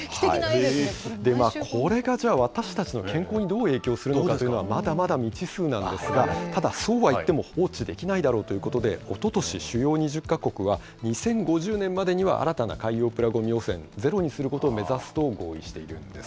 では、これがじゃあ、私たちの健康にどう影響するのかというのは、まだまだ未知数なんですが、ただ、そうはいっても、放置できないだろうということでおととし主要２０か国は、２０５０年までには、新たな海洋プラごみ汚染ゼロにすることを目指すと合意しているんです。